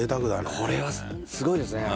これはすごいですね。